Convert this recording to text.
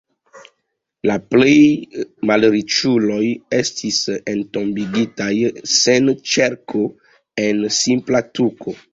La plej-malriĉuloj estis entombigitaj sen ĉerko, en simpla tuko.